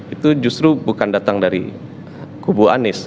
itu justru bukan datang dari kubu anies